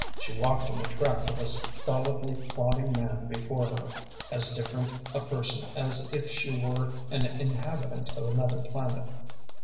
She walked in the track of a stolidly plodding man before her, as different a person as if she were an inhabitant of another planet.